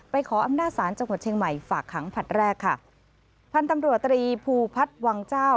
ขออำนาจศาลจังหวัดเชียงใหม่ฝากขังผลัดแรกค่ะพันธุ์ตำรวจตรีภูพัฒน์วังเจ้า